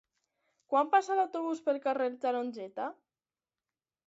Quan passa l'autobús pel carrer Tarongeta?